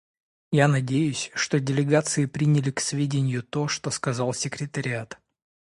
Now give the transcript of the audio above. Я надеюсь, что делегации приняли к сведению то, что сказал секретариат.